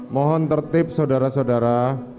mohon tertip saudara saudara